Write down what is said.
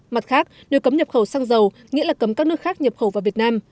mặt khác nếu cấm nhập khẩu xăng dầu nghĩa là cấm các nước khác nhập khẩu vào việt nam